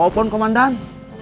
itu teh pohon komandan